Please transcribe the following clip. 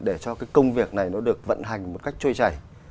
để cho cái công việc này nó được vận hành một cách trôi chảy